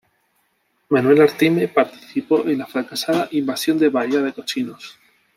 Manuel Artime participó en la fracasada Invasión de Bahía de Cochinos.